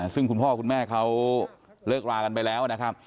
ซึ่งคุณพ่อคุณแม่เขาเลิกรากันไปแล้วนะครับ